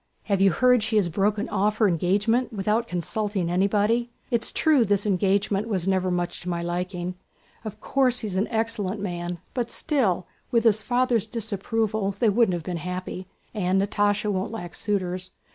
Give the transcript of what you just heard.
Have you heard she has broken off her engagement without consulting anybody? It's true this engagement never was much to my liking. Of course he is an excellent man, but still, with his father's disapproval they wouldn't have been happy, and Natásha won't lack suitors.